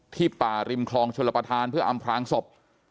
ป่าริมคลองชลประธานเพื่ออำพลางศพ